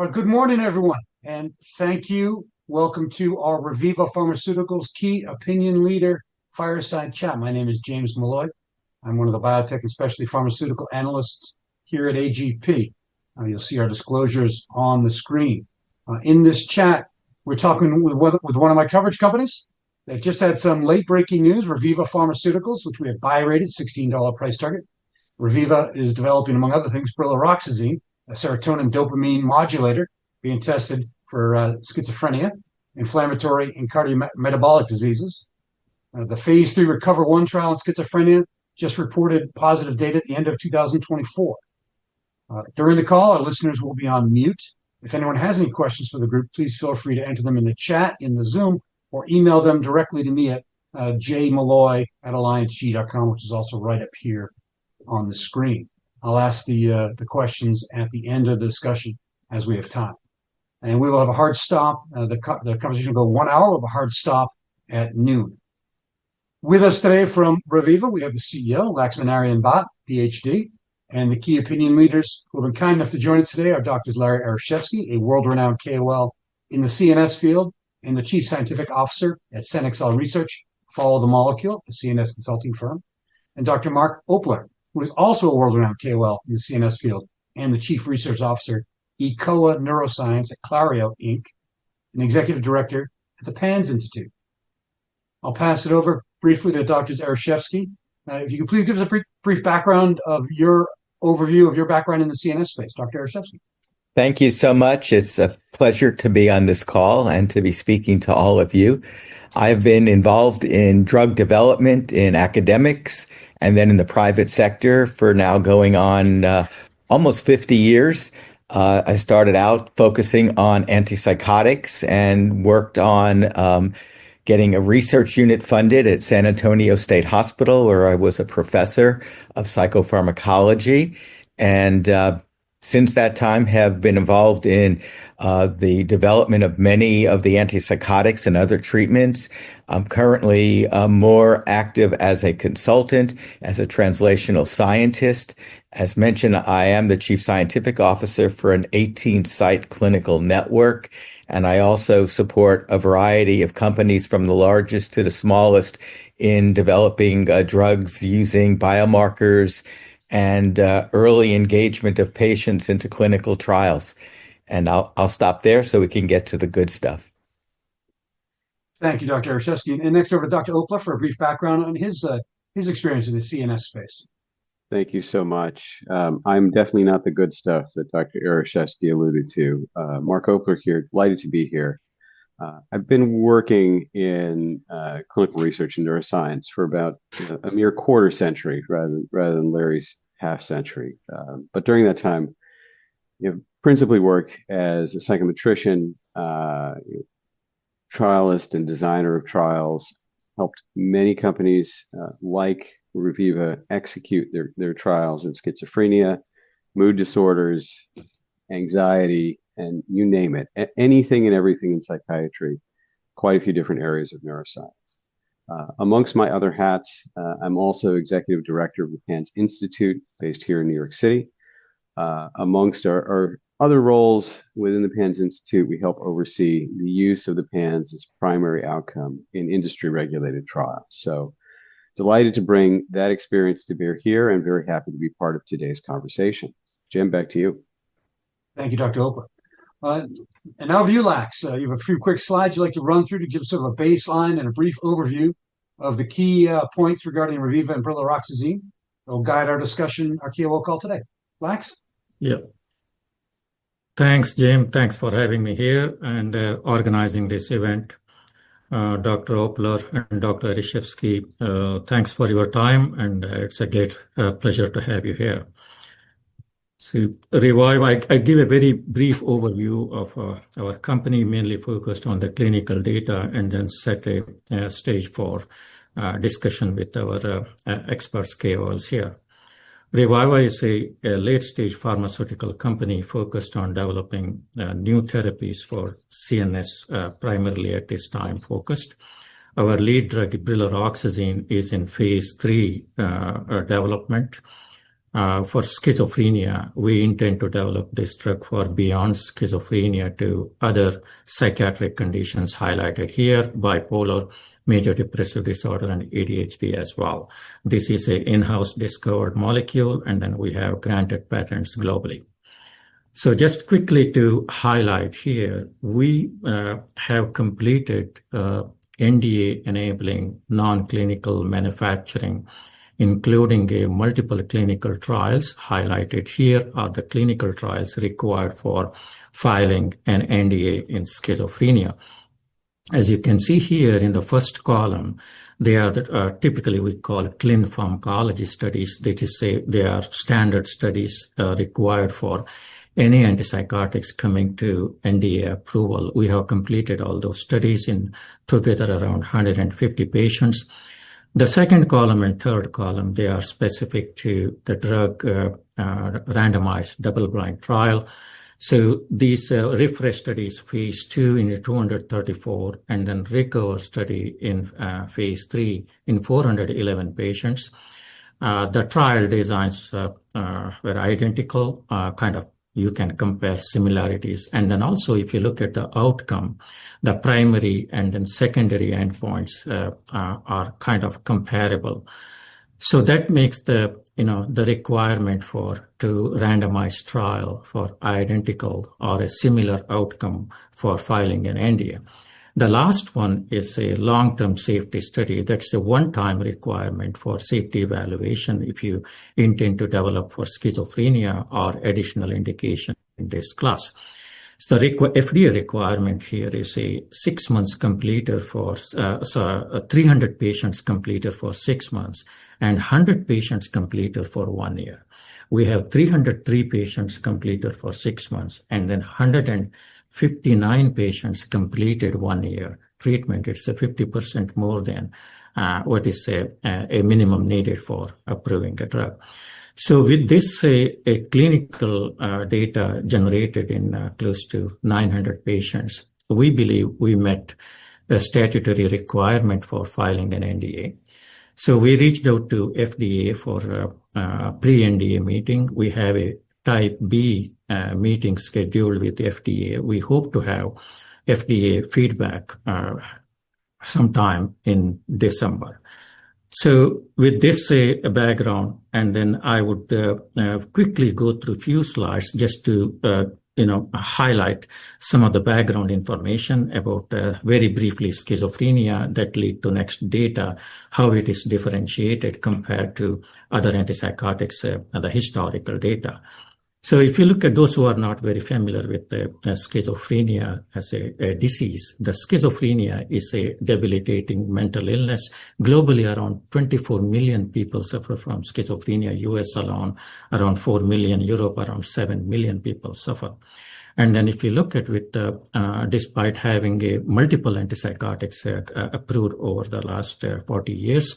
Well, good morning, everyone, and thank you. Welcome to our Reviva Pharmaceuticals key opinion leader fireside chat. My name is James Molloy. I'm one of the biotech and specialty pharmaceutical analysts here at AGP. You'll see our disclosures on the screen. In this chat, we're talking with one of my coverage companies. They just had some late-breaking news: Reviva Pharmaceuticals, which we have buy rated, $16 price target. Reviva is developing, among other things, brilaroxazine, a serotonin-dopamine modulator being tested for schizophrenia, inflammatory, and cardiometabolic diseases. The Phase three RECOVER-1 trial on schizophrenia just reported positive data at the end of 2024. During the call, our listeners will be on mute. If anyone has any questions for the group, please feel free to enter them in the chat in the Zoom or email them directly to me at jMolloy@allianceg.com, which is also right up here on the screen. I'll ask the questions at the end of the discussion as we have time, and we will have a hard stop. The conversation will go one hour with a hard stop at noon. With us today from Reviva, we have the CEO, Laxminarayan Bhat, PhD, and the key opinion leaders who have been kind enough to join us today. Our doctor is Larry Ereshefsky, a world-renowned KOL in the CNS field and the chief scientific officer at SyneXEL Research, Follow the Molecule, a CNS consulting firm. And Dr. Mark Opler, who is also a world-renowned KOL in the CNS field and the chief research officer, eCOA Neuroscience at WCG, and executive director at the PANSS Institute. I'll pass it over briefly to Dr. Ereshefsky. If you could please give us a brief overview of your background in the CNS space, Dr. Ereshefsky. Thank you so much. It's a pleasure to be on this call and to be speaking to all of you. I've been involved in drug development in academics and then in the private sector for now going on almost 50 years. I started out focusing on antipsychotics and worked on getting a research unit funded at San Antonio State Hospital, where I was a professor of psychopharmacology, and since that time, I have been involved in the development of many of the antipsychotics and other treatments. I'm currently more active as a consultant, as a translational scientist. As mentioned, I am the Chief Scientific Officer for an 18-site clinical network, and I also support a variety of companies, from the largest to the smallest, in developing drugs using biomarkers and early engagement of patients into clinical trials, and I'll stop there so we can get to the good stuff. Thank you, Dr. Ereshefsky, and next, over to Dr. Opler for a brief background on his experience in the CNS space. Thank you so much. I'm definitely not the good stuff that Dr. Ereshefsky alluded to. Mark Opler here, delighted to be here. I've been working in clinical research and neuroscience for about a mere quarter century rather than Larry's half century, but during that time, I principally worked as a psychometrician trialist and designer of trials, helped many companies like Reviva execute their trials in schizophrenia, mood disorders, anxiety, and you name it, anything and everything in psychiatry, quite a few different areas of neuroscience. Among my other hats, I'm also Executive Director of the PANSS Institute based here in New York City. Among our other roles within the PANSS Institute, we help oversee the use of the PANSS as primary outcome in industry-regulated trials, so delighted to bring that experience to bear here and very happy to be part of today's conversation. Jim, back to you. Thank you, Dr. Opler. And now, if you, Lax, you have a few quick slides you'd like to run through to give sort of a baseline and a brief overview of the key points regarding Reviva and brilaroxazine that will guide our discussion, our KOL call today. Lax? Yeah. Thanks, Jim. Thanks for having me here and organizing this event. Dr. Opler and Dr. Ereshefsky, thanks for your time. And it's a great pleasure to have you here. Reviva, I give a very brief overview of our company, mainly focused on the clinical data, and then set a stage for discussion with our experts, KOLs here. Reviva is a late-stage pharmaceutical company focused on developing new therapies for CNS, primarily at this time focused. Our lead drug, brilaroxazine, is in phase 3 development. For schizophrenia, we intend to develop this drug for beyond schizophrenia to other psychiatric conditions highlighted here: bipolar, major depressive disorder, and ADHD as well. This is an in-house discovered molecule, and then we have granted patents globally. So just quickly to highlight here, we have completed NDA-enabling non-clinical manufacturing, including multiple clinical trials. Highlighted here are the clinical trials required for filing an NDA in schizophrenia. As you can see here in the first column, they are typically, we call it, clinical pharmacology studies. They are standard studies required for any antipsychotics coming to NDA approval. We have completed all those studies together, around 150 patients. The second column and third column, they are specific to the drug randomized double-blind trial. So these REFRESH studies, phase two in 234, and then RECOVER study in phase three in 411 patients. The trial designs were identical, kind of you can compare similarities. And then also, if you look at the outcome, the primary and then secondary endpoints are kind of comparable. So that makes the requirement for a randomized trial for identical or a similar outcome for filing an NDA. The last one is a long-term safety study. That's a one-time requirement for safety evaluation if you intend to develop for schizophrenia or additional indication in this class. So the FDA requirement here is a six-month completer for 300 patients completed for six months and 100 patients completed for one year. We have 303 patients completed for six months and then 159 patients completed one year treatment. It's 50% more than what is a minimum needed for approving a drug. So with this, say, clinical data generated in close to 900 patients, we believe we met the statutory requirement for filing an NDA. So we reached out to FDA for a pre-NDA meeting. We have a Type B meeting scheduled with FDA. We hope to have FDA feedback sometime in December. So with this background, and then I would quickly go through a few slides just to highlight some of the background information about, very briefly, schizophrenia that lead to next data, how it is differentiated compared to other antipsychotics, the historical data. So if you look at those who are not very familiar with schizophrenia as a disease, the schizophrenia is a debilitating mental illness. Globally, around 24 million people suffer from schizophrenia. U.S. alone, around four million. Europe, around seven million people suffer. And then if you look at it, despite having multiple antipsychotics approved over the last 40 years,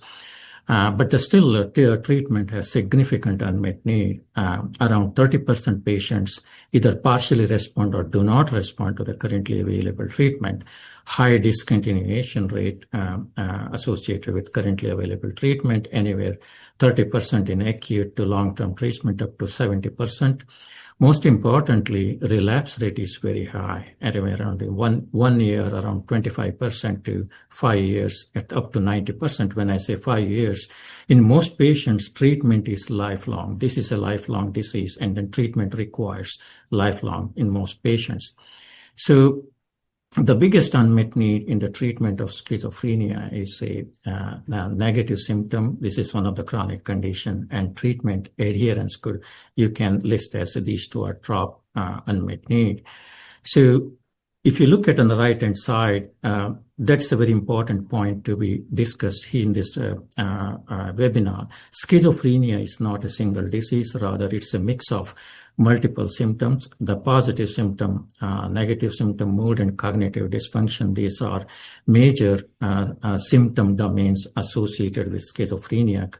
but still treatment has significant unmet need, around 30% patients either partially respond or do not respond to the currently available treatment. High discontinuation rate associated with currently available treatment, anywhere 30% in acute to long-term treatment, up to 70%. Most importantly, relapse rate is very high, anywhere around one year around 25% to five years at up to 90%. When I say five years, in most patients, treatment is lifelong. This is a lifelong disease, and then treatment requires lifelong in most patients. So the biggest unmet need in the treatment of schizophrenia is a negative symptom. This is one of the chronic conditions, and treatment adherence, you can list as these two are top unmet need. So if you look at on the right-hand side, that's a very important point to be discussed here in this webinar. Schizophrenia is not a single disease. Rather, it's a mix of multiple symptoms: the positive symptom, negative symptom, mood, and cognitive dysfunction. These are major symptom domains associated with schizophrenia.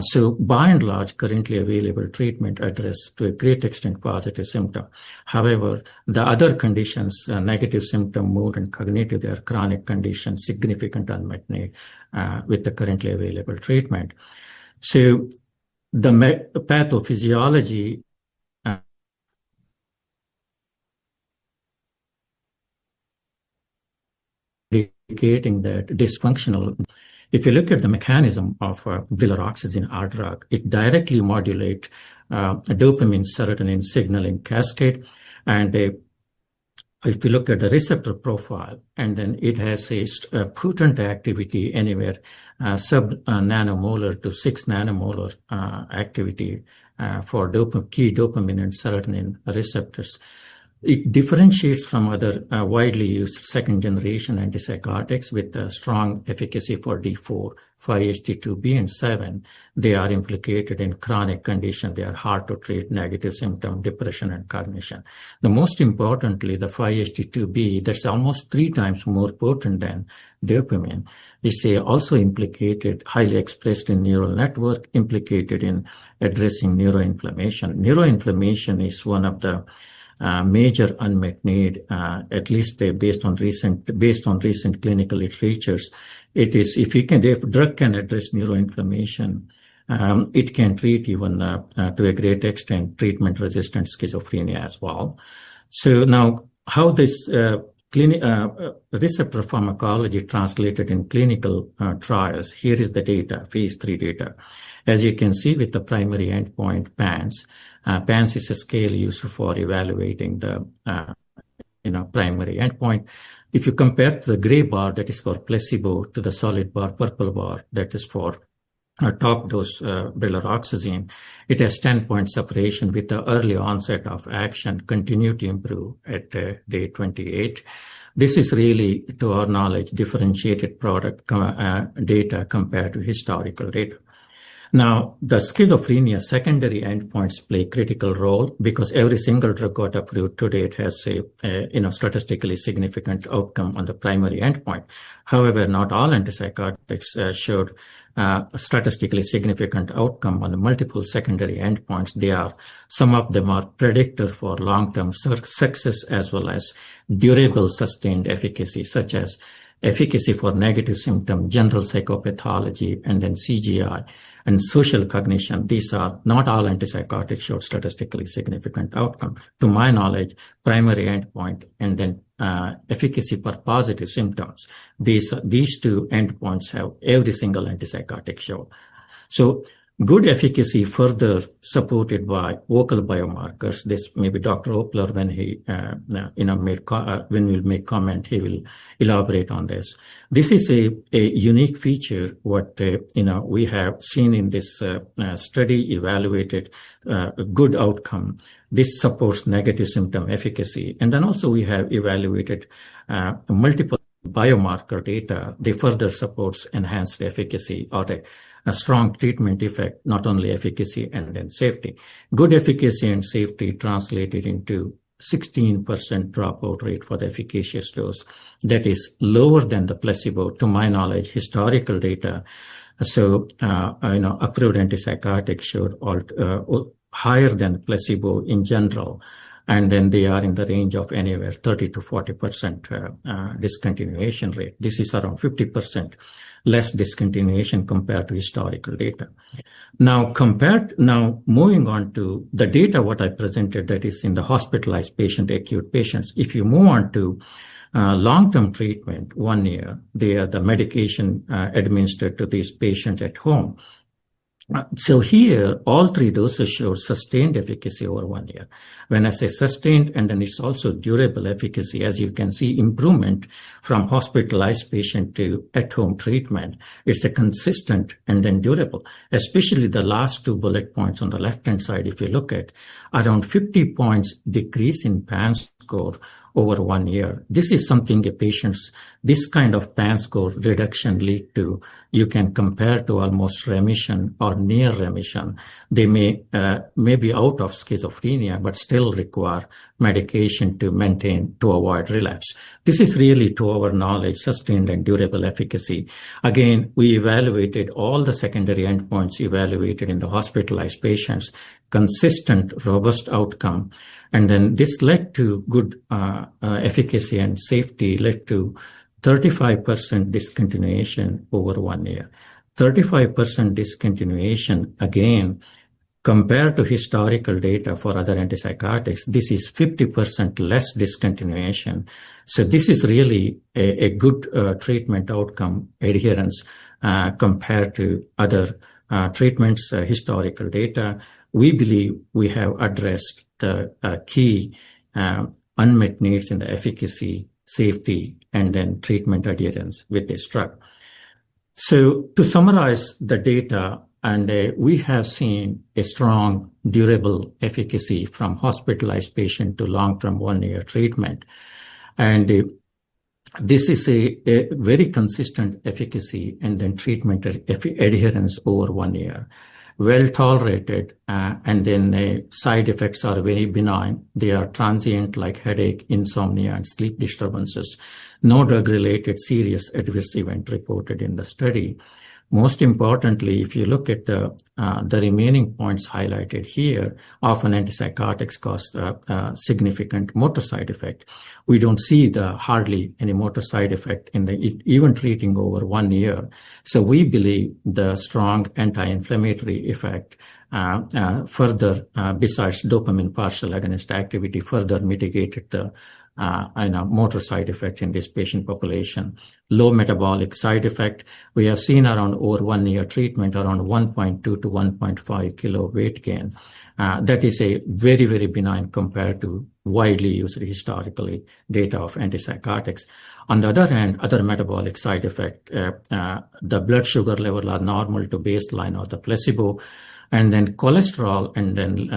So by and large, currently available treatment address to a great extent positive symptom. However, the other conditions, negative symptom, mood, and cognitive, they are chronic conditions, significant unmet need with the currently available treatment. So the pathophysiology indicating that dysfunctional. If you look at the mechanism of brilaroxazine, our drug, it directly modulates dopamine-serotonin signaling cascade. And if you look at the receptor profile, and then it has a potent activity anywhere sub-nanomolar to 6-nanomolar activity for key dopamine and serotonin receptors. It differentiates from other widely used second-generation antipsychotics with strong efficacy for D4, 5-HT2B, and 5-HT7. They are implicated in chronic conditions. They are hard to treat: negative symptom, depression, and cognition. The most importantly, the 5-HT2B, that's almost three times more potent than dopamine, is also implicated, highly expressed in neural network, implicated in addressing neuroinflammation. Neuroinflammation is one of the major unmet needs, at least based on recent clinical literature. It is, if you can, if a drug can address neuroinflammation, it can treat even to a great extent treatment-resistant schizophrenia as well. So now, how this receptor pharmacology translated in clinical trials. Here is the data, phase 3 data. As you can see with the primary endpoint, PANSS. PANSS is a scale used for evaluating the primary endpoint. If you compare the gray bar that is for placebo to the solid bar, purple bar, that is for top-dose brilaroxazine, it has 10-point separation with the early onset of action. Continuity improved at day 28. This is really, to our knowledge, differentiated product data compared to historical data. Now, the schizophrenia secondary endpoints play a critical role because every single drug approved to date has a statistically significant outcome on the primary endpoint. However, not all antipsychotics showed a statistically significant outcome on multiple secondary endpoints. They are, some of them are predictive for long-term success as well as durable sustained efficacy, such as efficacy for negative symptom, general psychopathology, and then CGI and social cognition. These are not all antipsychotics showed statistically significant outcome. To my knowledge, primary endpoint and then efficacy for positive symptoms, these two endpoints have every single antipsychotic showed. So good efficacy further supported by vocal biomarkers. This may be Dr. Opler when he will make comment. He will elaborate on this. This is a unique feature what we have seen in this study evaluated good outcome. This supports negative symptom efficacy. And then also we have evaluated multiple biomarker data. They further support enhanced efficacy or a strong treatment effect, not only efficacy and then safety. Good efficacy and safety translated into 16% dropout rate for the efficacious dose. That is lower than the placebo, to my knowledge, historical data. So approved antipsychotics showed higher than placebo in general. And then they are in the range of anywhere 30%-40% discontinuation rate. This is around 50% less discontinuation compared to historical data. Now, moving on to the data what I presented that is in the hospitalized patient, acute patients, if you move on to long-term treatment, one year, they are the medication administered to these patients at home. So here, all three doses showed sustained efficacy over one year. When I say sustained, and then it's also durable efficacy. As you can see, improvement from hospitalized patient to at-home treatment is consistent and then durable, especially the last two bullet points on the left-hand side. If you look at around 50 points decrease in PANSS score over one year. This is something a patient's this kind of PANSS score reduction lead to. You can compare to almost remission or near remission. They may be out of schizophrenia, but still require medication to maintain to avoid relapse. This is really, to our knowledge, sustained and durable efficacy. Again, we evaluated all the secondary endpoints evaluated in the hospitalized patients, consistent robust outcome. Then this led to good efficacy and safety led to 35% discontinuation over one year. 35% discontinuation, again, compared to historical data for other antipsychotics, this is 50% less discontinuation. This is really a good treatment outcome adherence compared to other treatments, historical data. We believe we have addressed the key unmet needs in the efficacy, safety, and then treatment adherence with this drug. To summarize the data, we have seen a strong durable efficacy from hospitalized patient to long-term one-year treatment. This is a very consistent efficacy and then treatment adherence over one year, well tolerated, and then side effects are very benign. They are transient like headache, insomnia, and sleep disturbances. No drug-related serious adverse event reported in the study. Most importantly, if you look at the remaining points highlighted here, often antipsychotics cause significant motor side effect. We don't see hardly any motor side effect in the even treating over one year. So we believe the strong anti-inflammatory effect further, besides dopamine partial agonist activity, further mitigated the motor side effects in this patient population. Low metabolic side effect, we have seen around over one-year treatment, around 1.2-1.5 kilo weight gain. That is a very, very benign compared to widely used historically data of antipsychotics. On the other hand, other metabolic side effect, the blood sugar level are normal to baseline or the placebo. And then cholesterol, and then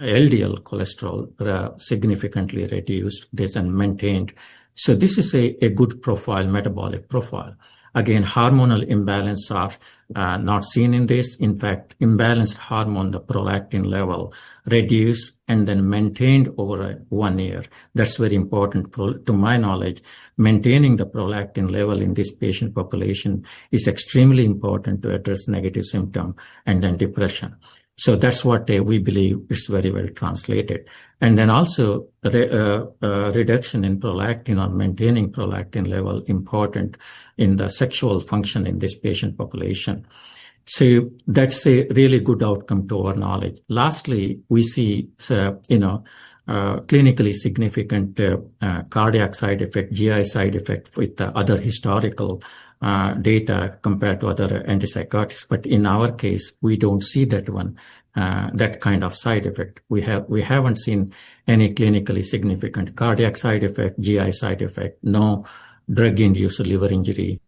LDL cholesterol significantly reduced. This is maintained. So this is a good profile, metabolic profile. Again, hormonal imbalance are not seen in this. In fact, imbalanced hormone, the prolactin level reduced and then maintained over one year. That's very important to my knowledge. Maintaining the prolactin level in this patient population is extremely important to address negative symptom and then depression. So that's what we believe is very, very translated. And then also reduction in prolactin or maintaining prolactin level important in the sexual function in this patient population. So that's a really good outcome to our knowledge. Lastly, we see clinically significant cardiac side effect, GI side effect with other historical data compared to other antipsychotics. But in our case, we don't see that kind of side effect. We haven't seen any clinically significant cardiac side effect, GI side effect, no drug-induced liver injury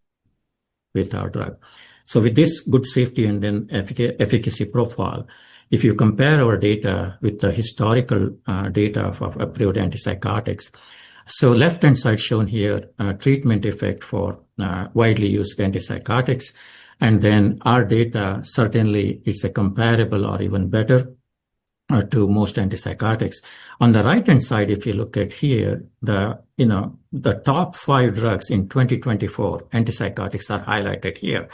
with our drug. So with this good safety and then efficacy profile, if you compare our data with the historical data of approved antipsychotics, so left-hand side shown here, treatment effect for widely used antipsychotics. And then our data certainly is comparable or even better to most antipsychotics. On the right-hand side, if you look at here, the top five drugs in 2024 antipsychotics are highlighted here.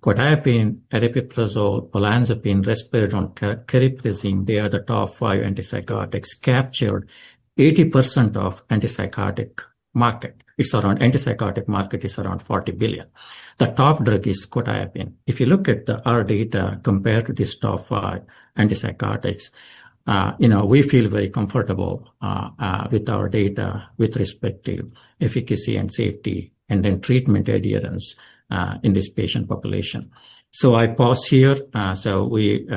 Quetiapine, aripiprazole, olanzapine, risperidone, cariprazine, they are the top five antipsychotics captured 80% of antipsychotic market. It's around antipsychotic market is around $40 billion. The top drug is quetiapine. If you look at our data compared to these top five antipsychotics, we feel very comfortable with our data with respect to efficacy and safety and then treatment adherence in this patient population. So I pause here. We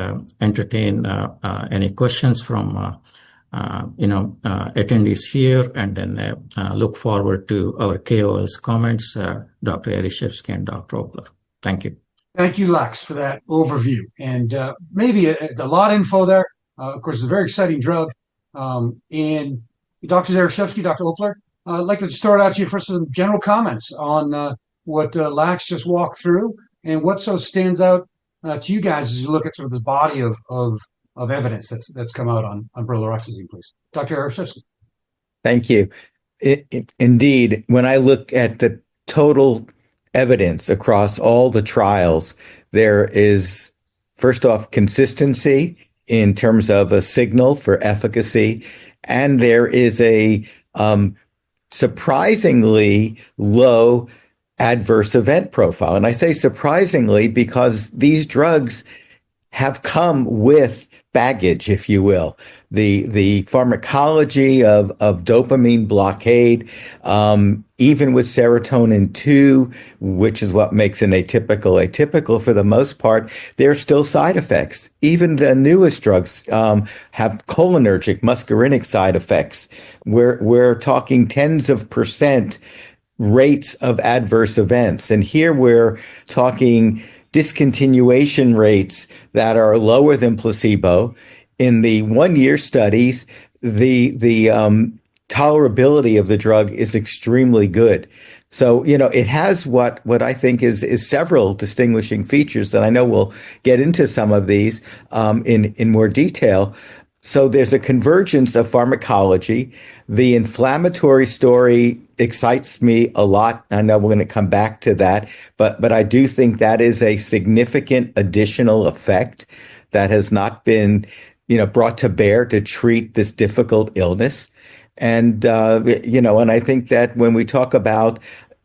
entertain any questions from attendees here and then look forward to our KOLs' comments, Dr. Ereshefsky and Dr. Opler. Thank you. Thank you, Lax, for that overview. And maybe a lot of info there. Of course, it's a very exciting drug. And Dr. Ereshefsky, Dr. Opler, I'd like to start out here first with some general comments on what Lax just walked through and what stands out to you guys as you look at sort of this body of evidence that's come out on brilaroxazine, please. Dr. Ereshefsky. Thank you. Indeed, when I look at the total evidence across all the trials, there is, first off, consistency in terms of a signal for efficacy, and there is a surprisingly low adverse event profile, and I say surprisingly because these drugs have come with baggage, if you will. The pharmacology of dopamine blockade, even with serotonin too, which is what makes an atypical atypical for the most part, there are still side effects. Even the newest drugs have cholinergic muscarinic side effects. We're talking tens of % rates of adverse events, and here we're talking discontinuation rates that are lower than placebo. In the one-year studies, the tolerability of the drug is extremely good, so it has what I think is several distinguishing features that I know we'll get into some of these in more detail, so there's a convergence of pharmacology. The inflammatory story excites me a lot. I know we're going to come back to that, but I do think that is a significant additional effect that has not been brought to bear to treat this difficult illness, and I think that when we talk about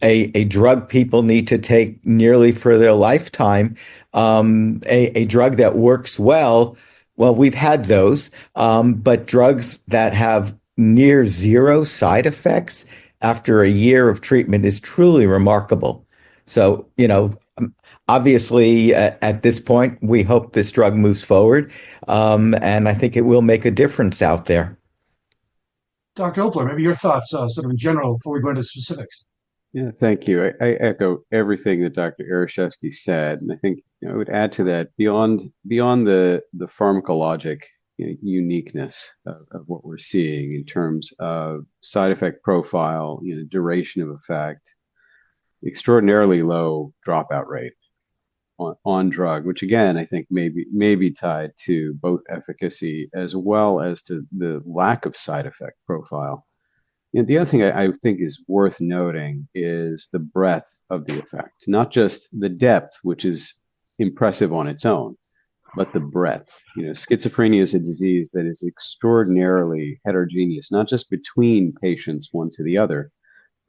a drug people need to take nearly for their lifetime, a drug that works well, we've had those, but drugs that have near zero side effects after a year of treatment is truly remarkable, so obviously, at this point, we hope this drug moves forward, and I think it will make a difference out there. Dr. Opler, maybe your thoughts sort of in general before we go into specifics. Yeah, thank you. I echo everything that Dr. Ereshefsky said. And I think I would add to that beyond the pharmacologic uniqueness of what we're seeing in terms of side effect profile, duration of effect, extraordinarily low dropout rate on drug, which again, I think may be tied to both efficacy as well as to the lack of side effect profile. The other thing I think is worth noting is the breadth of the effect, not just the depth, which is impressive on its own, but the breadth. Schizophrenia is a disease that is extraordinarily heterogeneous, not just between patients one to the other,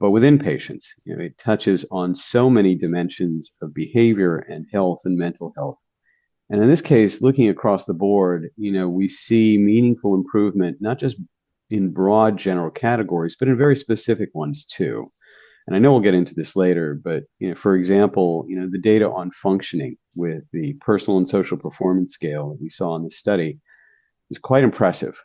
but within patients. It touches on so many dimensions of behavior and health and mental health. And in this case, looking across the board, we see meaningful improvement not just in broad general categories, but in very specific ones too. I know we'll get into this later, but for example, the data on functioning with the personal and social performance scale that we saw in the study is quite impressive,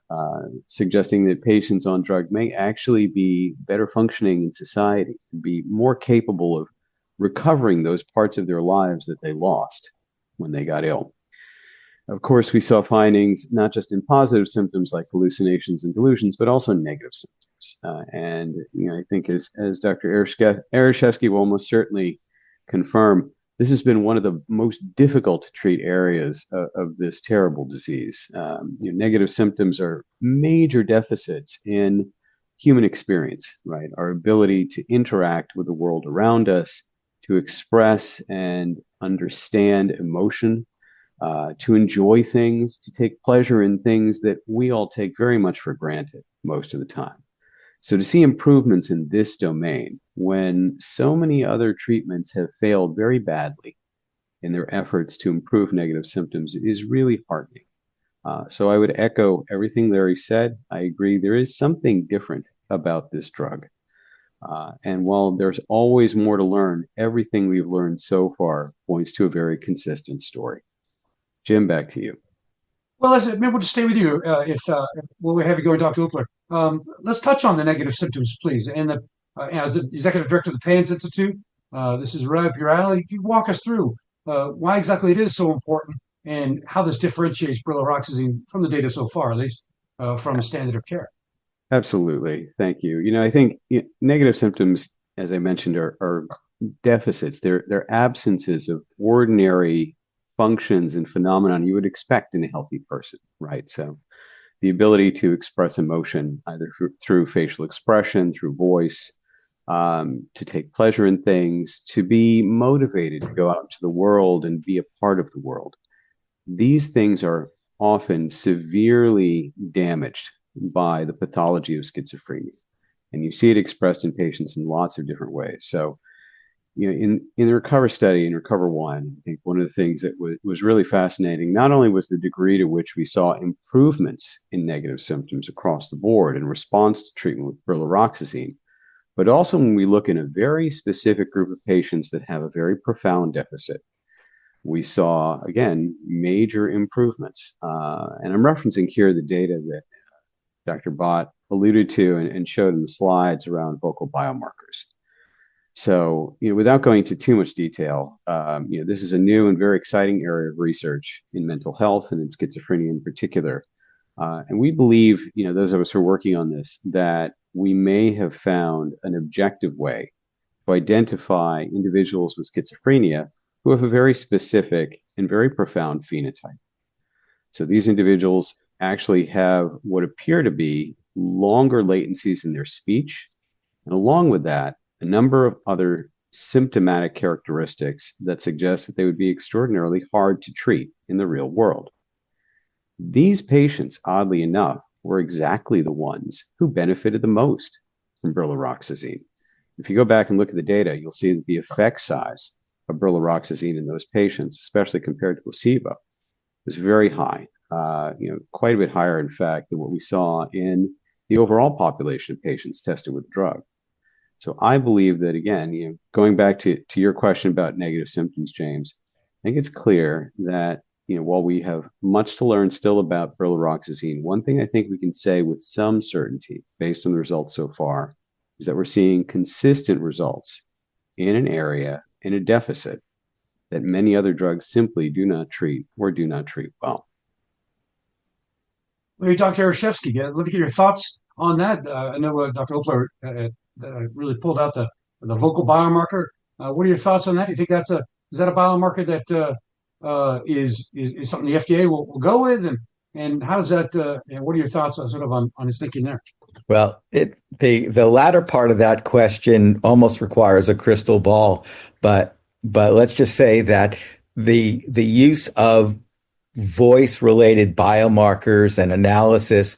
suggesting that patients on drug may actually be better functioning in society and be more capable of recovering those parts of their lives that they lost when they got ill. Of course, we saw findings not just in positive symptoms like hallucinations and delusions, but also negative symptoms. I think as Dr. Ereshefsky will almost certainly confirm, this has been one of the most difficult to treat areas of this terrible disease. Negative symptoms are major deficits in human experience, our ability to interact with the world around us, to express and understand emotion, to enjoy things, to take pleasure in things that we all take very much for granted most of the time. So to see improvements in this domain when so many other treatments have failed very badly in their efforts to improve negative symptoms is really heartening. So I would echo everything Larry said. I agree there is something different about this drug. And while there's always more to learn, everything we've learned so far points to a very consistent story. Jim, back to you. I said, maybe we'll just stay with you while we have you going to Dr. Opler. Let's touch on the negative symptoms, please, and as the executive director of the PANSS Institute, Dr. Opler, if you walk us through why exactly it is so important and how this differentiates brilaroxazine from the data so far, at least from a standard of care. Absolutely. Thank you. I think negative symptoms, as I mentioned, are deficits. They're absences of ordinary functions and phenomena you would expect in a healthy person, so the ability to express emotion either through facial expression, through voice, to take pleasure in things, to be motivated to go out into the world and be a part of the world. These things are often severely damaged by the pathology of schizophrenia, and you see it expressed in patients in lots of different ways, so in the RECOVER study in RECOVER-1, I think one of the things that was really fascinating, not only was the degree to which we saw improvements in negative symptoms across the board in response to treatment with brilaroxazine, but also when we look in a very specific group of patients that have a very profound deficit, we saw, again, major improvements. I'm referencing here the data that Dr. Bhat alluded to and showed in the slides around vocal biomarkers. Without going into too much detail, this is a new and very exciting area of research in mental health and in schizophrenia in particular. We believe, those of us who are working on this, that we may have found an objective way to identify individuals with schizophrenia who have a very specific and very profound phenotype. These individuals actually have what appear to be longer latencies in their speech. Along with that, a number of other symptomatic characteristics that suggest that they would be extraordinarily hard to treat in the real world. These patients, oddly enough, were exactly the ones who benefited the most from brilaroxazine. If you go back and look at the data, you'll see that the effect size of brilaroxazine in those patients, especially compared to placebo, is very high, quite a bit higher, in fact, than what we saw in the overall population of patients tested with the drug. So I believe that, again, going back to your question about negative symptoms, James, I think it's clear that while we have much to learn still about brilaroxazine, one thing I think we can say with some certainty based on the results so far is that we're seeing consistent results in an area in a deficit that many other drugs simply do not treat or do not treat well. Larry, Dr. Ereshefsky, let me get your thoughts on that. I know Dr. Opler really pulled out the vocal biomarker. What are your thoughts on that? Do you think that's a biomarker that is something the FDA will go with? And how does that, what are your thoughts sort of on his thinking there? The latter part of that question almost requires a crystal ball, but let's just say that the use of voice-related biomarkers and analysis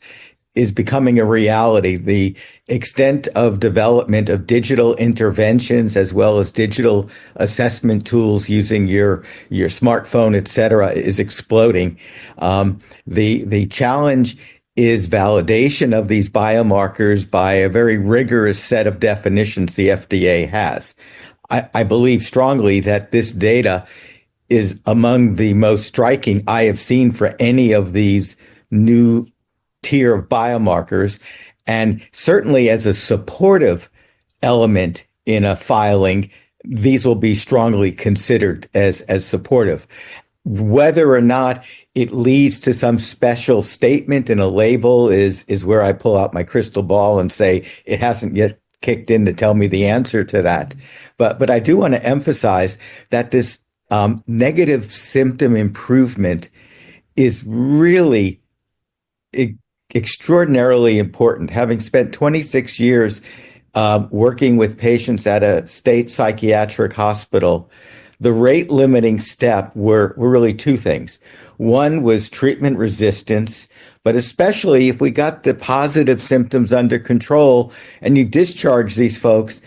is becoming a reality. The extent of development of digital interventions as well as digital assessment tools using your smartphone, et cetera, is exploding. The challenge is validation of these biomarkers by a very rigorous set of definitions the FDA has. I believe strongly that this data is among the most striking I have seen for any of these new tier of biomarkers. And certainly, as a supportive element in a filing, these will be strongly considered as supportive. Whether or not it leads to some special statement in a label is where I pull out my crystal ball and say it hasn't yet kicked in to tell me the answer to that. But I do want to emphasize that this negative symptom improvement is really extraordinarily important. Having spent 26 years working with patients at a state psychiatric hospital, the rate-limiting step were really two things. One was treatment resistance, but especially if we got the positive symptoms under control and you discharged these folks,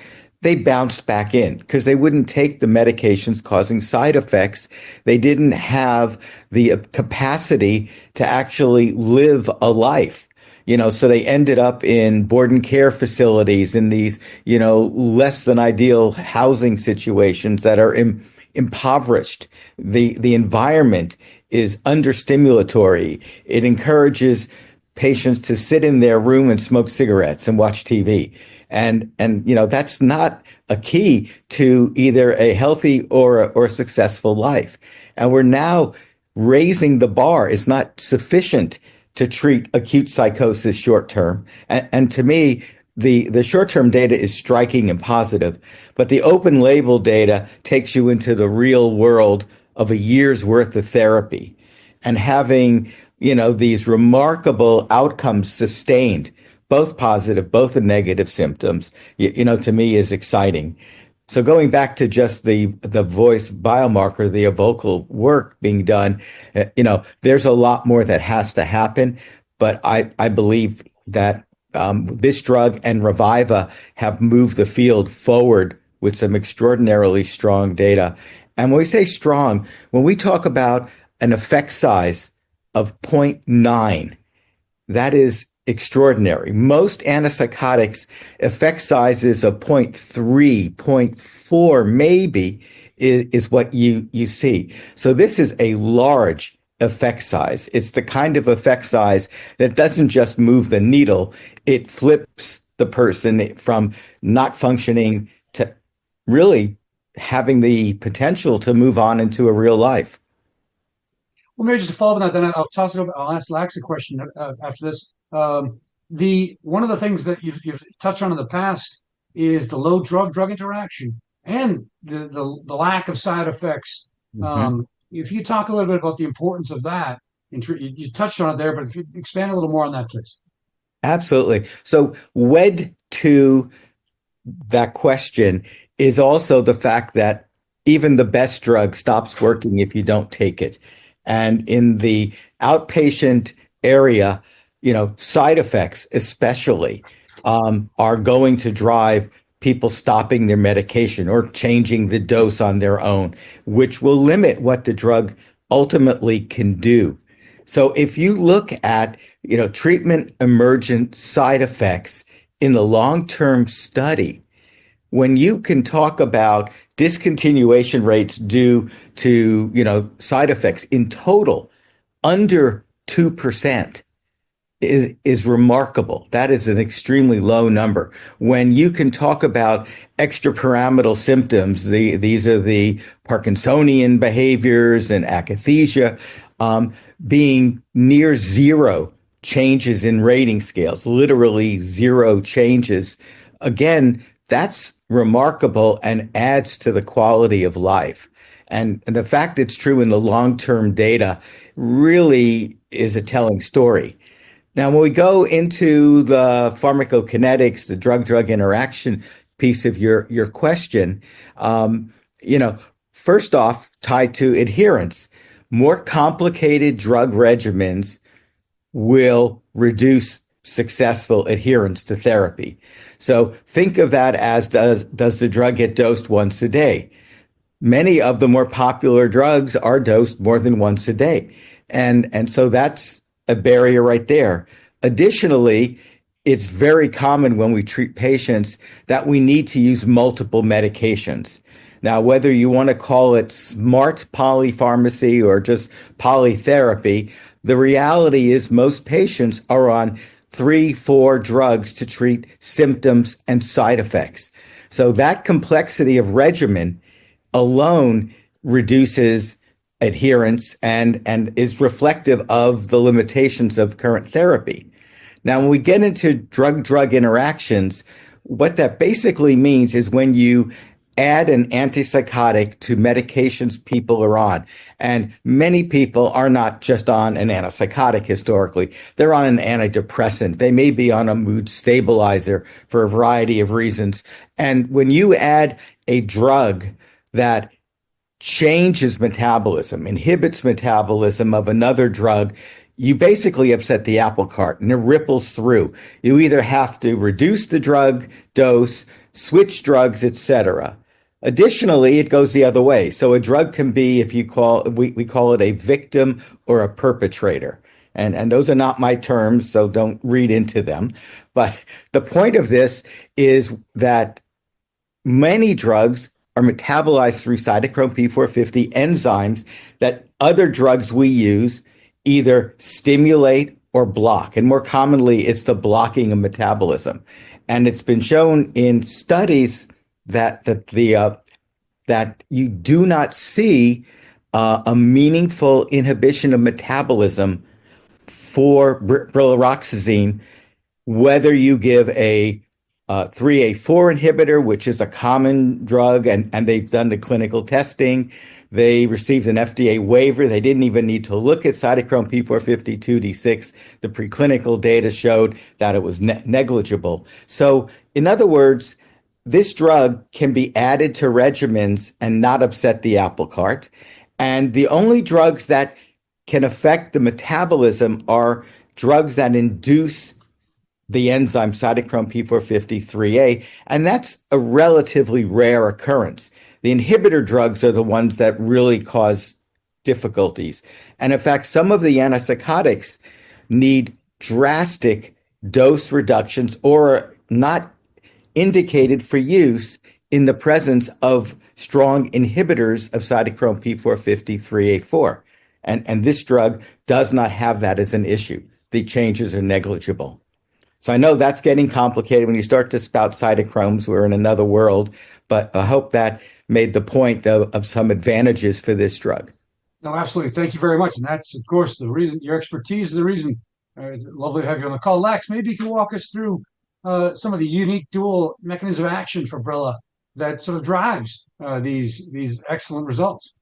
they bounced back in because they wouldn't take the medications causing side effects. They didn't have the capacity to actually live a life. So they ended up in board and care facilities in these less-than-ideal housing situations that are impoverished. The environment is under-stimulatory. It encourages patients to sit in their room and smoke cigarettes and watch TV. And that's not a key to either a healthy or a successful life. And we're now raising the bar. It's not sufficient to treat acute psychosis short-term. To me, the short-term data is striking and positive, but the open-label data takes you into the real world of a year's worth of therapy, and having these remarkable outcomes sustained, both positive, both negative symptoms, to me, is exciting, so going back to just the vocal biomarker, the vocal work being done, there's a lot more that has to happen, but I believe that this drug and Reviva have moved the field forward with some extraordinarily strong data, and when we say strong, when we talk about an effect size of 0.9, that is extraordinary. Most antipsychotics, effect sizes of 0.3, 0.4 maybe is what you see, so this is a large effect size. It's the kind of effect size that doesn't just move the needle. It flips the person from not functioning to really having the potential to move on into a real life. Maybe just to follow up on that, then I'll toss it over. I'll ask Laxminarayan a question after this. One of the things that you've touched on in the past is the low drug-to-drug interaction and the lack of side effects. If you talk a little bit about the importance of that, you touched on it there, but if you expand a little more on that, please. Absolutely. So wedded to that question is also the fact that even the best drug stops working if you don't take it. And in the outpatient area, side effects especially are going to drive people stopping their medication or changing the dose on their own, which will limit what the drug ultimately can do. So if you look at treatment emergent side effects in the long-term study, when you can talk about discontinuation rates due to side effects in total under 2% is remarkable. That is an extremely low number. When you can talk about extrapyramidal symptoms, these are the Parkinsonian behaviors and akathisia being near zero changes in rating scales, literally zero changes. Again, that's remarkable and adds to the quality of life. And the fact it's true in the long-term data really is a telling story. Now, when we go into the pharmacokinetics, the drug-drug interaction piece of your question, first off, tied to adherence, more complicated drug regimens will reduce successful adherence to therapy. So think of that as does the drug get dosed once a day. Many of the more popular drugs are dosed more than once a day. And so that's a barrier right there. Additionally, it's very common when we treat patients that we need to use multiple medications. Now, whether you want to call it smart polypharmacy or just polytherapy, the reality is most patients are on three, four drugs to treat symptoms and side effects. So that complexity of regimen alone reduces adherence and is reflective of the limitations of current therapy. Now, when we get into drug-drug interactions, what that basically means is when you add an antipsychotic to medications people are on. And many people are not just on an antipsychotic historically. They're on an antidepressant. They may be on a mood stabilizer for a variety of reasons. And when you add a drug that changes metabolism, inhibits metabolism of another drug, you basically have set the apple cart and it ripples through. You either have to reduce the drug dose, switch drugs, et cetera. Additionally, it goes the other way. So a drug can be, if you call, we call it a victim or a perpetrator. And those are not my terms, so don't read into them. But the point of this is that many drugs are metabolized through Cytochrome P450 enzymes that other drugs we use either stimulate or block. And more commonly, it's the blocking of metabolism. It's been shown in studies that you do not see a meaningful inhibition of metabolism for brilaroxazine whether you give a 3A4 inhibitor, which is a common drug, and they've done the clinical testing. They received an FDA waiver. They didn't even need to look at cytochrome P450 2D6. The preclinical data showed that it was negligible, so in other words, this drug can be added to regimens and not upset the apple cart, and the only drugs that can affect the metabolism are drugs that induce the enzyme cytochrome P450 3A, and that's a relatively rare occurrence. The inhibitor drugs are the ones that really cause difficulties, and in fact, some of the antipsychotics need drastic dose reductions or are not indicated for use in the presence of strong inhibitors of cytochrome P450 3A4, and this drug does not have that as an issue. The changes are negligible. So, I know that's getting complicated when you start to spout cytochromes. We're in another world, but I hope that made the point of some advantages for this drug. No, absolutely. Thank you very much. And that's, of course, the reason your expertise is the reason. It's lovely to have you on the call. Lax, maybe you can walk us through some of the unique dual mechanism of action for brilaroxazine that sort of drives these excellent results.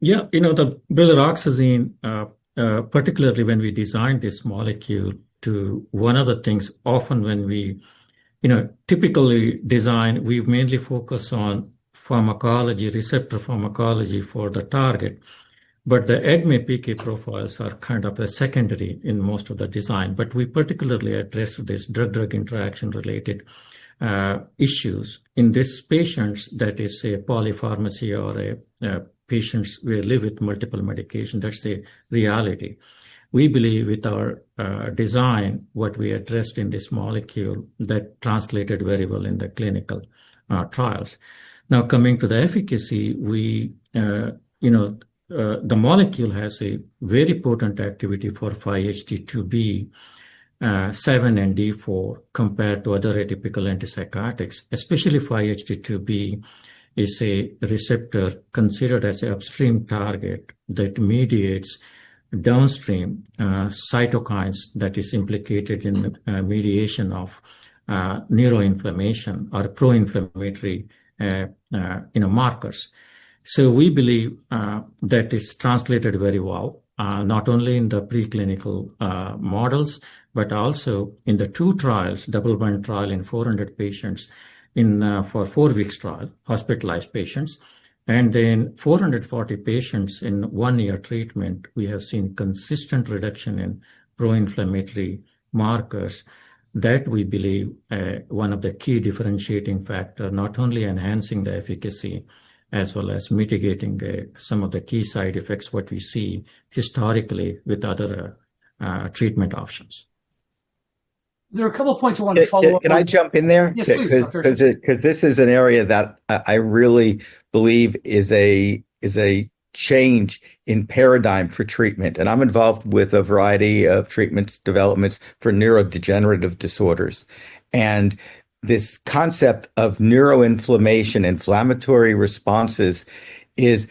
Yeah. You know, the brilaroxazine, particularly when we designed this molecule, to one of the things often when we typically design, we mainly focus on pharmacology, receptor pharmacology for the target. But the ADME-PK profiles are kind of the secondary in most of the design. But we particularly addressed these drug-drug interaction-related issues in these patients that is a polypharmacy or patients who live with multiple medications. That's the reality. We believe with our design, what we addressed in this molecule that translated very well in the clinical trials. Now, coming to the efficacy, the molecule has a very potent activity for 5-HT2B, 7 and D4 compared to other atypical antipsychotics, especially 5-HT2B is a receptor considered as an upstream target that mediates downstream cytokines that is implicated in the mediation of neuroinflammation or pro-inflammatory markers. So we believe that is translated very well, not only in the preclinical models, but also in the two trials, double-blind trial in 400 patients for a four-week trial, hospitalized patients. And then 440 patients in one-year treatment, we have seen consistent reduction in pro-inflammatory markers that we believe are one of the key differentiating factors, not only enhancing the efficacy as well as mitigating some of the key side effects what we see historically with other treatment options. There are a couple of points I want to follow up on. Can I jump in there? Yes, please. Because this is an area that I really believe is a change in paradigm for treatment. And I'm involved with a variety of treatments, developments for neurodegenerative disorders. And this concept of neuroinflammation, inflammatory responses is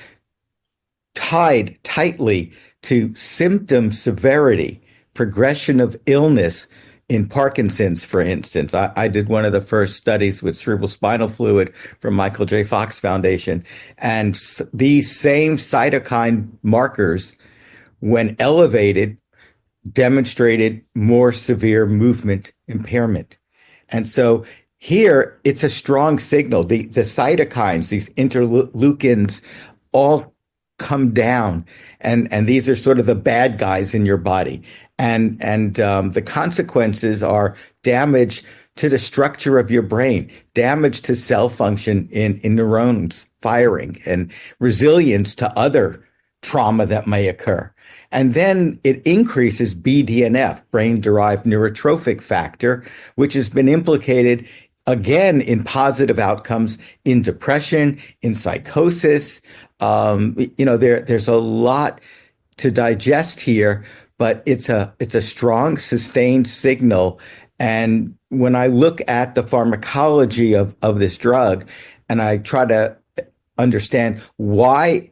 tied tightly to symptom severity, progression of illness in Parkinson's, for instance. I did one of the first studies with cerebrospinal fluid from Michael J. Fox Foundation. And these same cytokine markers, when elevated, demonstrated more severe movement impairment. And so here, it's a strong signal. The cytokines, these interleukins, all come down. And these are sort of the bad guys in your body. And the consequences are damage to the structure of your brain, damage to cell function in neurons, firing, and resilience to other trauma that may occur. And then it increases BDNF, Brain-Derived Neurotrophic Factor, which has been implicated again in positive outcomes in depression, in psychosis. There's a lot to digest here, but it's a strong, sustained signal. And when I look at the pharmacology of this drug and I try to understand why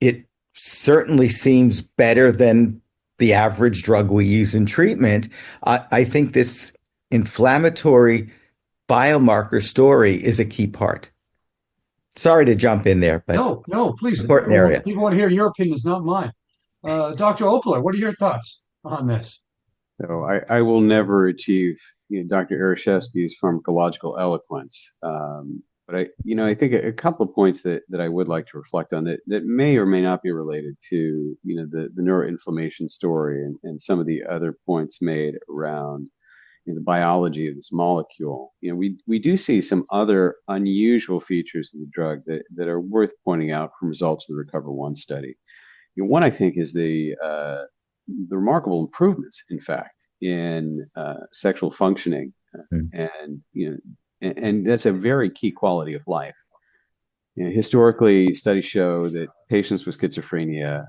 it certainly seems better than the average drug we use in treatment, I think this inflammatory biomarker story is a key part. Sorry to jump in there, but. No, no, please. People want to hear your opinions, not mine. Dr. Opler, what are your thoughts on this? I will never achieve Dr. Ereshefsky's pharmacological eloquence. But I think a couple of points that I would like to reflect on that may or may not be related to the neuroinflammation story and some of the other points made around the biology of this molecule. We do see some other unusual features of the drug that are worth pointing out from results of the RECOVER-1 study. One, I think, is the remarkable improvements, in fact, in sexual functioning. And that's a very key quality of life. Historically, studies show that patients with schizophrenia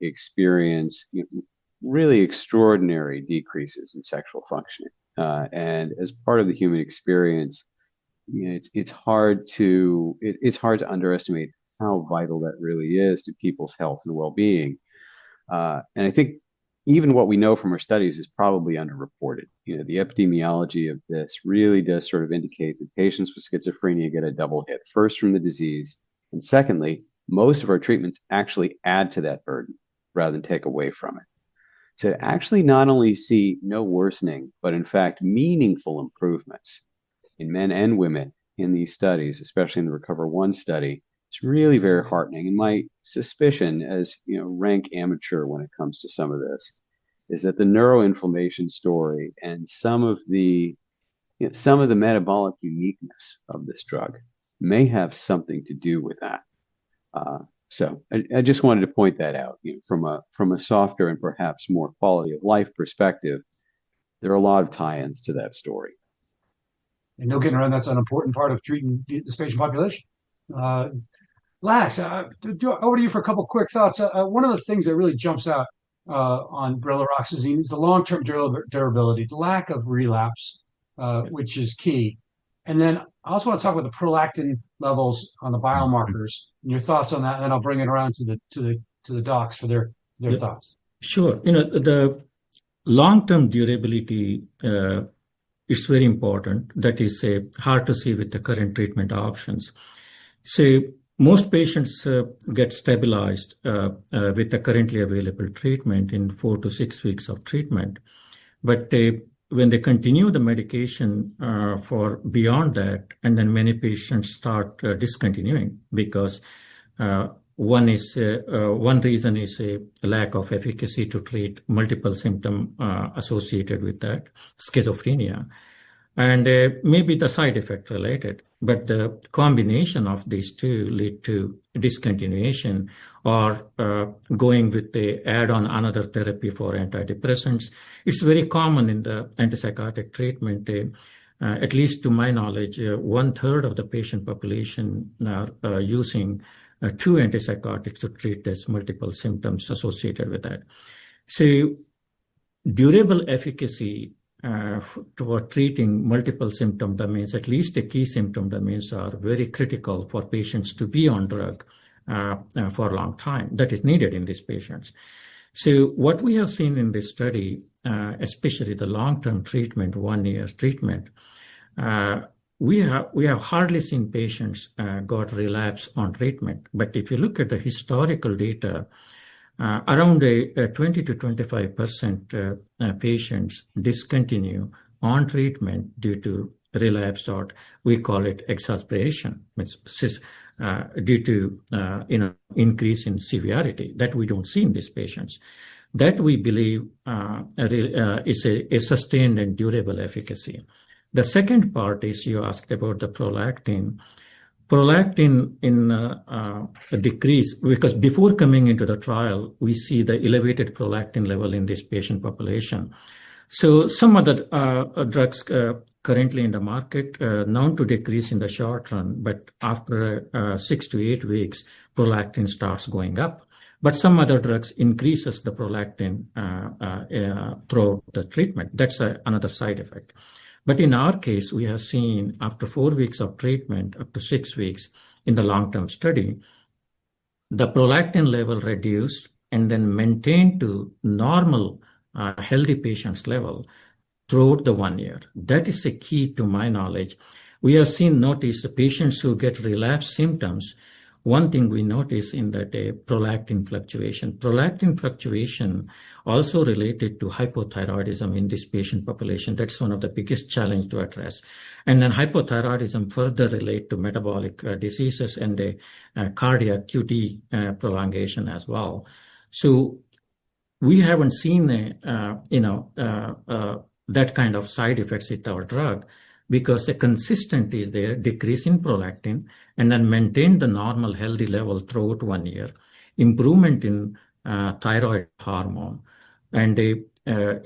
experience really extraordinary decreases in sexual functioning. And as part of the human experience, it's hard to underestimate how vital that really is to people's health and well-being. And I think even what we know from our studies is probably underreported. The epidemiology of this really does sort of indicate that patients with schizophrenia get a double hit, first from the disease, and secondly, most of our treatments actually add to that burden rather than take away from it. To actually not only see no worsening, but in fact, meaningful improvements in men and women in these studies, especially in the RECOVER-1 study, it's really very heartening, and my suspicion as rank amateur when it comes to some of this is that the neuroinflammation story and some of the metabolic uniqueness of this drug may have something to do with that, so I just wanted to point that out. From a softer and perhaps more quality of life perspective, there are a lot of tie-ins to that story. No kidding around, that's an important part of treating this patient population. Lax, over to you for a couple of quick thoughts. One of the things that really jumps out on brilaroxazine is the long-term durability, the lack of relapse, which is key. Then I also want to talk about the prolactin levels on the biomarkers and your thoughts on that. Then I'll bring it around to the docs for their thoughts. Sure. The long-term durability is very important. That is hard to see with the current treatment options. See, most patients get stabilized with the currently available treatment in four to six weeks of treatment, but when they continue the medication for beyond that, and then many patients start discontinuing because one reason is a lack of efficacy to treat multiple symptoms associated with that schizophrenia, and maybe the side effect related, but the combination of these two led to discontinuation or going with the add-on another therapy for antidepressants. It's very common in the antipsychotic treatment. At least to my knowledge, one-third of the patient population are using two antipsychotics to treat these multiple symptoms associated with that. See, durable efficacy toward treating multiple symptom domains, at least the key symptom domains, are very critical for patients to be on drug for a long time that is needed in these patients. So what we have seen in this study, especially the long-term treatment, one-year treatment, we have hardly seen patients got relapse on treatment. But if you look at the historical data, around 20%-25% of patients discontinue on treatment due to relapse or we call it exacerbation due to increase in severity that we don't see in these patients. That we believe is a sustained and durable efficacy. The second part is you asked about the prolactin. Prolactin, in a decrease, because before coming into the trial, we see the elevated prolactin level in this patient population. Some other drugs currently in the market known to decrease in the short run, but after six to eight weeks, prolactin starts going up. But some other drugs increase the prolactin throughout the treatment. That's another side effect. But in our case, we have seen after four weeks of treatment, up to six weeks in the long-term study, the prolactin level reduced and then maintained to normal healthy patients' level throughout the one year. That is a key to my knowledge. We have seen, noticed the patients who get relapse symptoms, one thing we notice in that prolactin fluctuation. Prolactin fluctuation also related to hypothyroidism in this patient population. That's one of the biggest challenges to address. And then hypothyroidism further relates to metabolic diseases and the cardiac QT prolongation as well. So, we haven't seen that kind of side effects with our drug because the consistency is there, decrease in prolactin and then maintain the normal healthy level throughout one year, improvement in thyroid hormone, and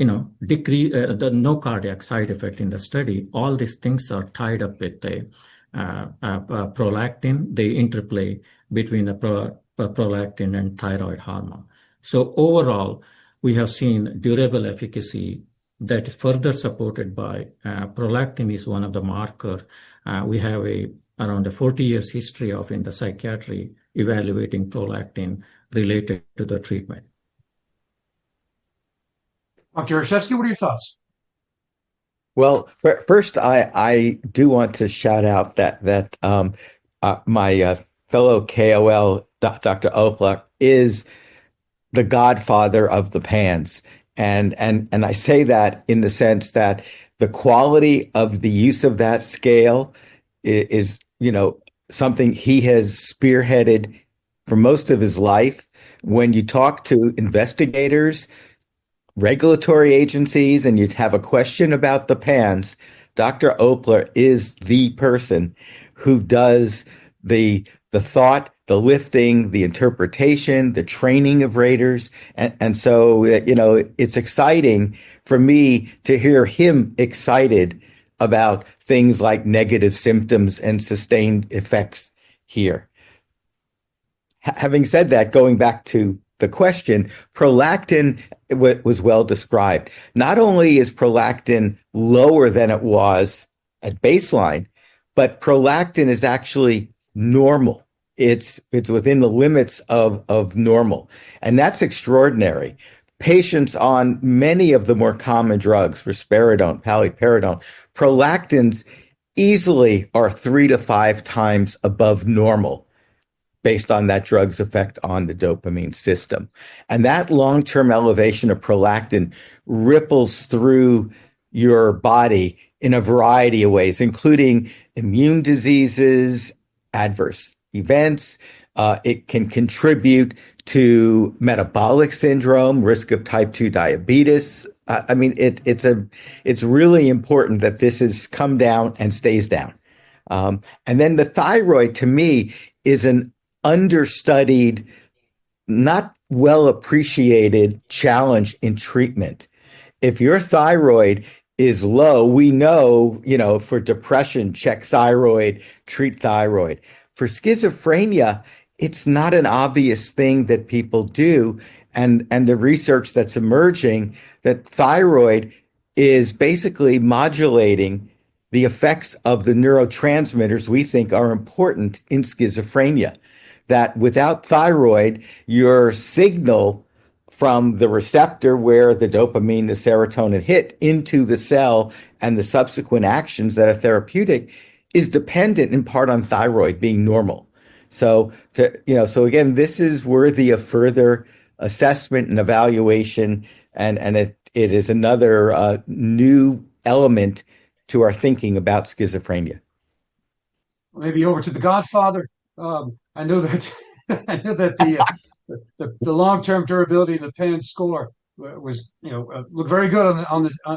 no cardiac side effect in the study. All these things are tied up with the prolactin. They interplay between the prolactin and thyroid hormone. So overall, we have seen durable efficacy that is further supported by prolactin is one of the markers. We have around a 40-year history in psychiatry evaluating prolactin-related to the treatment. Dr. Ereshefsky, what are your thoughts? First, I do want to shout out that my fellow KOL, Dr. Opler, is the godfather of the PANSS. And I say that in the sense that the quality of the use of that scale is something he has spearheaded for most of his life. When you talk to investigators, regulatory agencies, and you have a question about the PANSS, Dr. Opler is the person who does the heavy lifting, the interpretation, the training of raters. And so it's exciting for me to hear him excited about things like negative symptoms and sustained effects here. Having said that, going back to the question, prolactin was well described. Not only is prolactin lower than it was at baseline, but prolactin is actually normal. It's within the limits of normal. And that's extraordinary. Patients on many of the more common drugs, risperidone, paliperidone, prolactin easily are three to five times above normal based on that drug's effect on the dopamine system, and that long-term elevation of prolactin ripples through your body in a variety of ways, including immune diseases, adverse events. It can contribute to metabolic syndrome, risk of type 2 diabetes. I mean, it's really important that this has come down and stays down, and then the thyroid, to me, is an understudied, not well-appreciated challenge in treatment. If your thyroid is low, we know for depression, check thyroid, treat thyroid. For schizophrenia, it's not an obvious thing that people do. And the research that's emerging that thyroid is basically modulating the effects of the neurotransmitters we think are important in schizophrenia, that without thyroid, your signal from the receptor where the dopamine, the serotonin hit into the cell and the subsequent actions that are therapeutic is dependent in part on thyroid being normal. So again, this is worthy of further assessment and evaluation. And it is another new element to our thinking about schizophrenia. Maybe over to the godfather. I know that the long-term durability and the PANSS score looked very good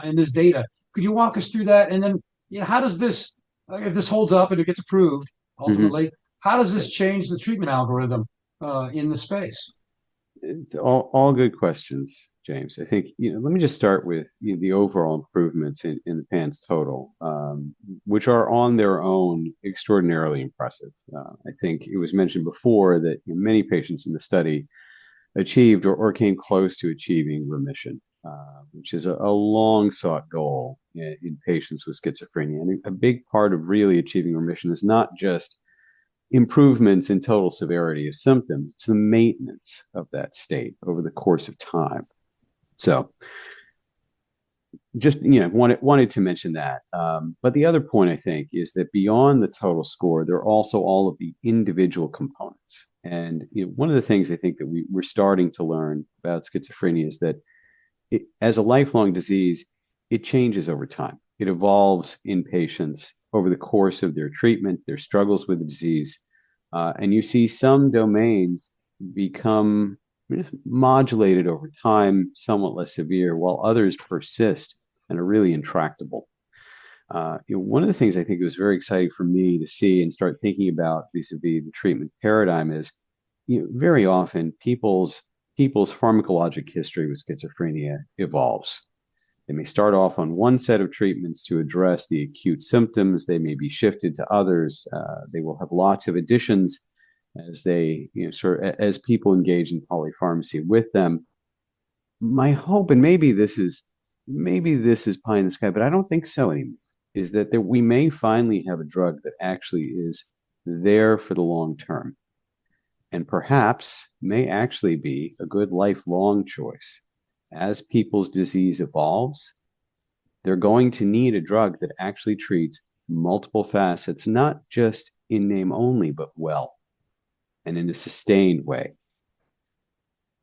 in this data. Could you walk us through that? And then how does this, if this holds up and it gets approved, ultimately, how does this change the treatment algorithm in the space? It's all good questions, James. I think let me just start with the overall improvements in the PANSS total, which are on their own extraordinarily impressive. I think it was mentioned before that many patients in the study achieved or came close to achieving remission, which is a long-sought goal in patients with schizophrenia, and a big part of really achieving remission is not just improvements in total severity of symptoms. It's the maintenance of that state over the course of time, so just wanted to mention that, but the other point, I think, is that beyond the total score, there are also all of the individual components, and one of the things I think that we're starting to learn about schizophrenia is that as a lifelong disease, it changes over time. It evolves in patients over the course of their treatment, their struggles with the disease. And you see some domains become modulated over time, somewhat less severe, while others persist and are really intractable. One of the things I think was very exciting for me to see and start thinking about vis-à-vis the treatment paradigm is very often people's pharmacologic history with schizophrenia evolves. They may start off on one set of treatments to address the acute symptoms. They may be shifted to others. They will have lots of additions as people engage in polypharmacy with them. My hope, and maybe this is pie in the sky, but I don't think so anymore, is that we may finally have a drug that actually is there for the long term and perhaps may actually be a good lifelong choice. As people's disease evolves, they're going to need a drug that actually treats multiple facets, not just in name only, but well and in a sustained way.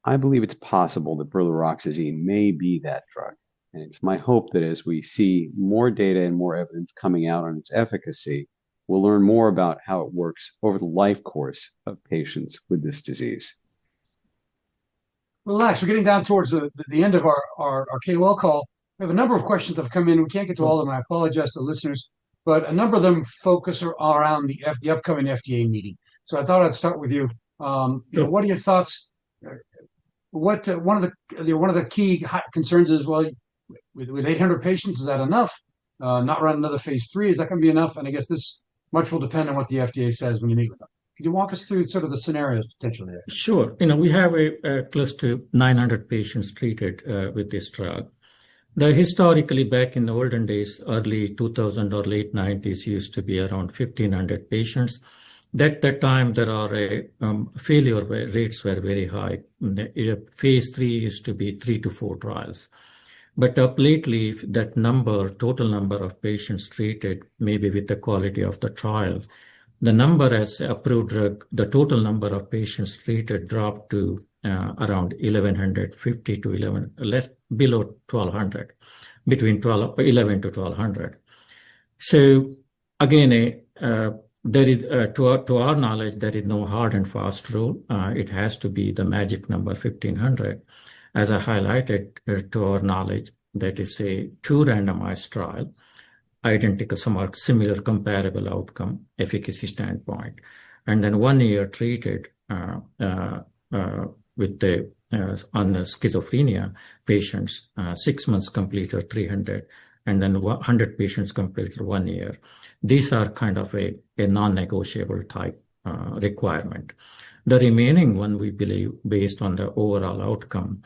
I believe it's possible that brilaroxazine may be that drug. And it's my hope that as we see more data and more evidence coming out on its efficacy, we'll learn more about how it works over the life course of patients with this disease. Well, Lax, we're getting down towards the end of our KOL call. We have a number of questions that have come in. We can't get to all of them. I apologize to listeners, but a number of them focus around the upcoming FDA meeting. So I thought I'd start with you. What are your thoughts? One of the key concerns is, well, with 800 patients, is that enough? Not run another phase 3. Is that going to be enough? And I guess this much will depend on what the FDA says when you meet with them. Could you walk us through sort of the scenarios potentially? Sure. We have close to 900 patients treated with this drug. Historically, back in the olden days, early 2000 or late 90s, used to be around 1,500 patients. At that time, there are failure rates that were very high. Phase 3 used to be three to four trials. But lately, that number, total number of patients treated, maybe with the quality of the trial, the number has approved drug, the total number of patients treated dropped to around 1,150 to below 1,200, between 1,100 to 1,200. So again, to our knowledge, there is no hard and fast rule. It has to be the magic number 1,500. As I highlighted, to our knowledge, that is a two randomized trial, identical, similar comparable outcome efficacy standpoint. And then one year treated with the schizophrenia patients, six months completed 300, and then 100 patients completed one year. These are kind of a non-negotiable type requirement. The remaining one, we believe, based on the overall outcome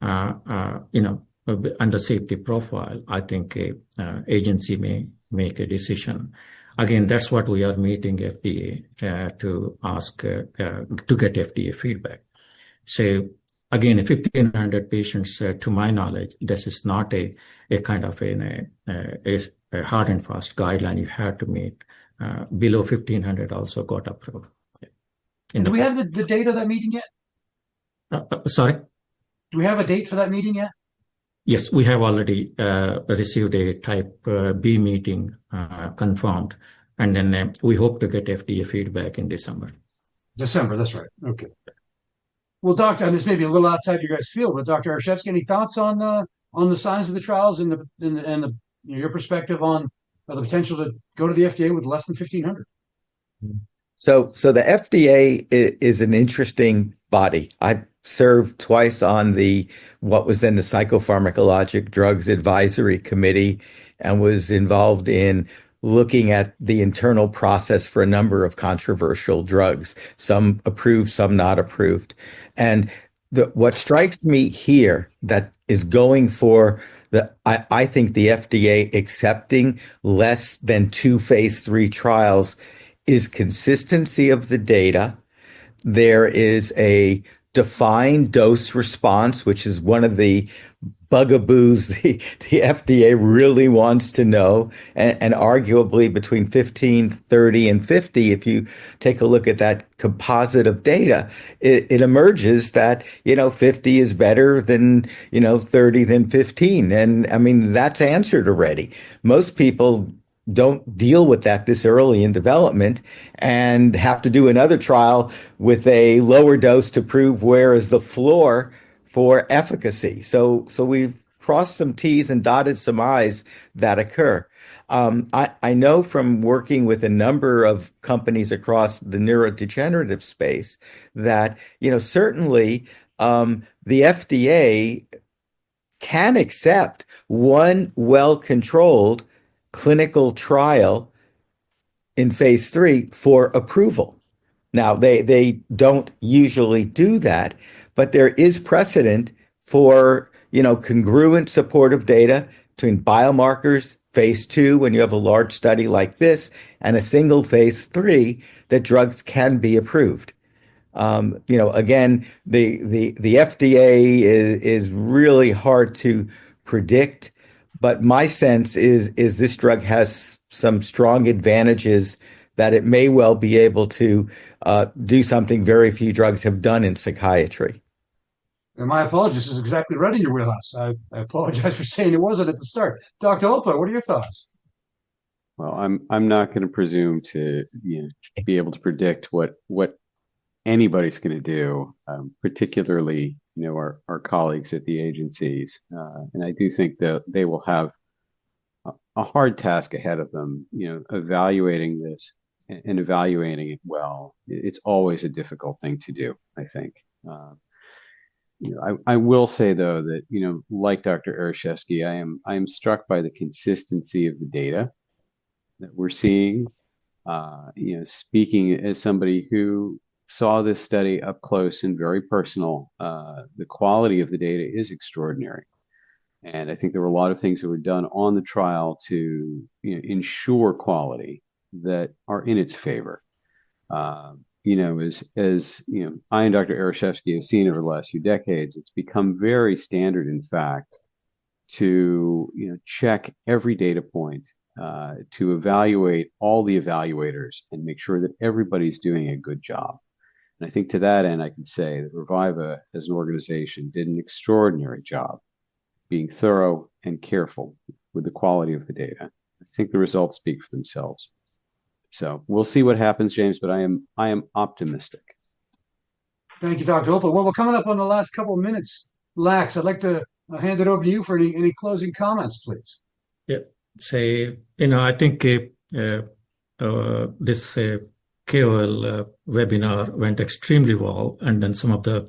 and the safety profile, I think an agency may make a decision. Again, that's what we are meeting FDA to ask to get FDA feedback. So again, 1,500 patients, to my knowledge, this is not a kind of hard and fast guideline you have to meet. Below 1,500 also got approved. Do we have the date of that meeting yet? Sorry? Do we have a date for that meeting yet? Yes, we have already received a Type B meeting confirmed, and then we hope to get FDA feedback in December. December, that's right. Okay. Well, doctor, and this may be a little outside your guys' field, but Dr. Ereshefsky, any thoughts on the size of the trials and your perspective on the potential to go to the FDA with less than 1,500? So the FDA is an interesting body. I served twice on what was then the Psychopharmacologic Drugs Advisory Committee and was involved in looking at the internal process for a number of controversial drugs, some approved, some not approved. And what strikes me here that is going for, I think, the FDA accepting less than two phase 3 trials is consistency of the data. There is a defined dose response, which is one of the bugaboos the FDA really wants to know. And arguably between 15, 30, and 50, if you take a look at that composite of data, it emerges that 50 is better than 30, then 15. And I mean, that's answered already. Most people don't deal with that this early in development and have to do another trial with a lower dose to prove where is the floor for efficacy. We've crossed some T's and dotted some I's that occur. I know from working with a number of companies across the neurodegenerative space that certainly the FDA can accept one well-controlled clinical trial in phase 3 for approval. Now, they don't usually do that, but there is precedent for congruent supportive data between biomarkers, phase 2, when you have a large study like this, and a single phase 3 that drugs can be approved. Again, the FDA is really hard to predict, but my sense is this drug has some strong advantages that it may well be able to do something very few drugs have done in psychiatry. And my apologies is exactly right in your wheelhouse. I apologize for saying it wasn't at the start. Dr. Opler, what are your thoughts? I'm not going to presume to be able to predict what anybody's going to do, particularly our colleagues at the agencies, and I do think that they will have a hard task ahead of them evaluating this and evaluating it well. It's always a difficult thing to do, I think. I will say, though, that like Dr. Ereshefsky, I am struck by the consistency of the data that we're seeing. Speaking as somebody who saw this study up close and very personal, the quality of the data is extraordinary, and I think there were a lot of things that were done on the trial to ensure quality that are in its favor. As I and Dr. Ereshefsky have seen over the last few decades, it's become very standard, in fact, to check every data point, to evaluate all the evaluators and make sure that everybody's doing a good job. And I think to that end, I can say that Reviva as an organization did an extraordinary job being thorough and careful with the quality of the data. I think the results speak for themselves. So we'll see what happens, James, but I am optimistic. Thank you, Dr. Opler. We're coming up on the last couple of minutes. Lax, I'd like to hand it over to you for any closing comments, please. Yeah. I think this KOL webinar went extremely well, and then some of the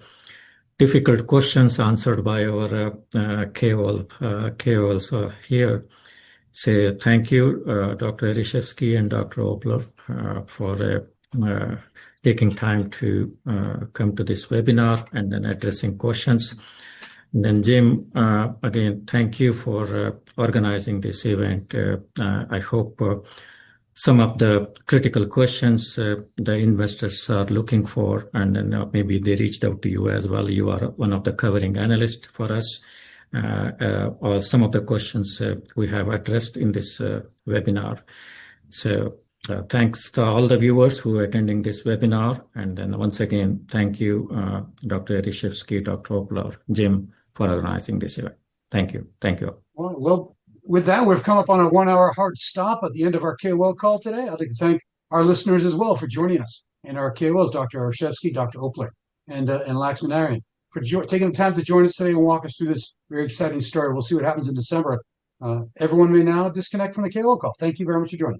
difficult questions answered by our KOLs here, so thank you, Dr. Ereshefsky and Dr. Opler, for taking time to come to this webinar and then addressing questions, and then Jim, again, thank you for organizing this event. I hope some of the critical questions the investors are looking for, and then maybe they reached out to you as well. You are one of the covering analysts for us, or some of the questions we have addressed in this webinar, so thanks to all the viewers who are attending this webinar, and then once again, thank you, Dr. Ereshefsky, Dr. Opler, Jim, for organizing this event. Thank you. Thank you. With that, we've come up on a one-hour hard stop at the end of our KOL call today. I'd like to thank our listeners as well for joining us in our KOLs, Dr. Ereshefsky, Dr. Opler, and Laxminarayan Bhat, for taking the time to join us today and walk us through this very exciting story. We'll see what happens in December. Everyone may now disconnect from the KOL call. Thank you very much for joining.